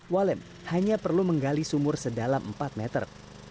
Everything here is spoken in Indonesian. walem hanya perlu menggali sumur sedalam empat meter